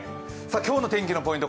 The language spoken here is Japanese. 今日の天気のポイント